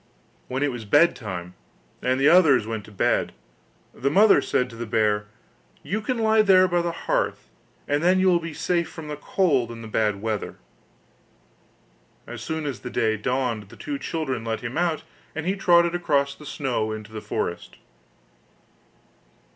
When it was bed time, and the others went to bed, the mother said to the bear: 'You can lie there by the hearth, and then you will be safe from the cold and the bad weather.' As soon as day dawned the two children let him out, and he trotted across the snow into the forest.